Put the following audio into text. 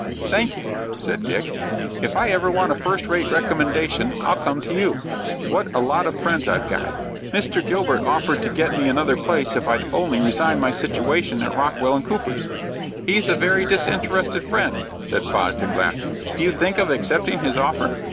"Thank you," said Dick; "if I ever want a first rate recommendation I'll come to you. What a lot of friends I've got! Mr. Gilbert offered to get me another place if I'd only resign my situation at Rockwell & Cooper's." "He's a very disinterested friend," said Fosdick, laughing. "Do you think of accepting his offer?"